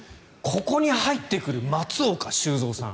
ここに入ってくる松岡修造さん。